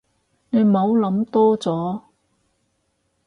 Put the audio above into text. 你唔好諗多咗